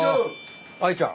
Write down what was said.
愛ちゃん？